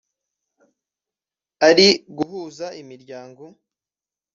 ari gahuza-miryango